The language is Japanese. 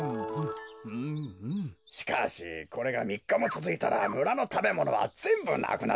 しかしこれがみっかもつづいたらむらのたべものはぜんぶなくなってしまうな。